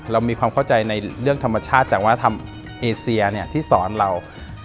เรามีความเข้าใจในเรื่องธรรมชาติจากวัฒนธรรมเอเซียเนี่ยที่สอนเรา